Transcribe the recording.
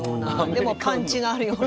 でもパンチがあるような。